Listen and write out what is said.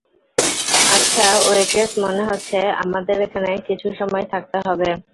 আচ্ছা, ওয়েট্রেস, মনে হচ্ছে আমাদের এখানে কিছু সময় থাকতে হবে।